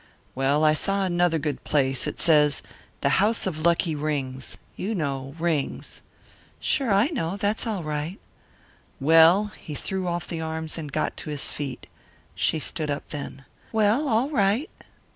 "Well, I saw another good place it says 'The house of lucky rings' you know rings!" "Sure, I know. That's all right." "Well," he threw off the arms and got to his feet. She stood up then. "Well, all right!"